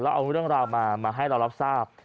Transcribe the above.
เอาเรื่องราวมาให้เรารับทราบ